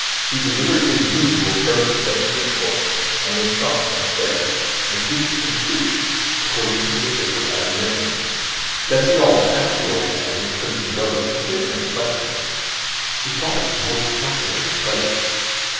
He delivered his usual peripatetic discourse, and they stopped and stared, and peeped and stooped, according to the official admonitions. Bessie Alden asked the old man in the crimson doublet a great many questions; she thought it a most fascinating place.